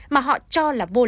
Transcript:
mà họ cho là vô lý